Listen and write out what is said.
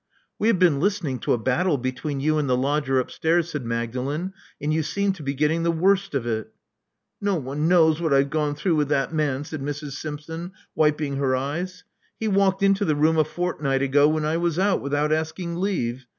*' We have been listening to a battle between you and the lodger upstairs," said Magdalen; and you seemed to be getting the worst of it." No one knows what I've gone through with that man," said Mrs. Simpson, wiping her eyes. He walked into the room a fortnight ago when I was out, without asking leave.